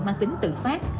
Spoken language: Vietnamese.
mang tính tự phát